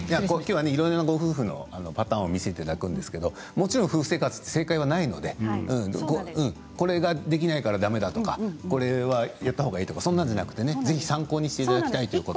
きょうはいろいろご夫婦のパターンを見せていただくんですがもちろん夫婦生活は正解はないのでこれができないからだめだとかこれはやったほうがいいとかそんなんじゃなくてぜひ参考にしていただきたいです